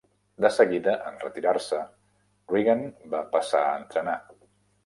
De seguida, en retirar-se, Regan va passar a entrenar.